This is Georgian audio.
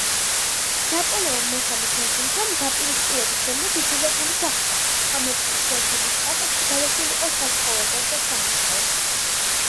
ნაპოლეონ მესამის რეჟიმთან დაპირისპირების შემდეგ იძულებული გახდა, ამერიკის შეერთებულ შტატებში გადასულიყო საცხოვრებლად და სამუშაოდ.